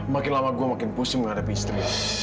makin lama gue makin pusing menghadapi istri